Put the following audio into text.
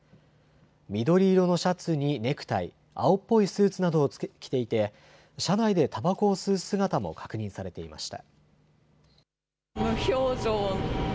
緑色のシャツにネクタイ、青っぽいスーツなどを着ていて車内でたばこを吸う姿も確認されていました。